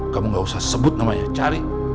kamu gak usah sebut namanya cari